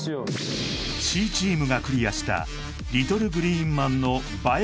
Ｃチームがクリアしたリトルグリーンまんの映え